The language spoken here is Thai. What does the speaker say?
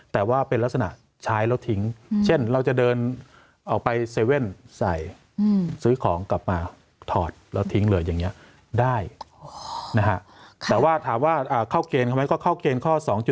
แต่ถามว่าเข้าเกณฑ์มาก็เข้าเกณฑ์ข้อ๒๓